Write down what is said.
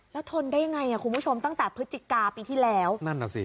แล้วทนได้ยังไงอ่ะคุณผู้ชมตั้งแต่พฤศจิกาปีที่แล้วนั่นน่ะสิ